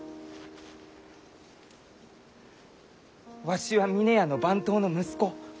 わしは峰屋の番頭の息子。